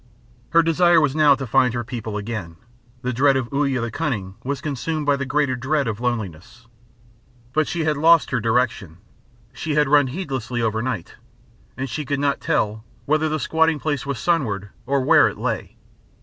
Her desire was now to find her people again. Her dread of Uya the Cunning was consumed by a greater dread of loneliness. But she had lost her direction. She had run heedlessly overnight, and she could not tell whether the squatting place was sunward or where it lay.